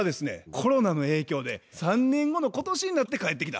コロナの影響で３年後の今年になって帰ってきた。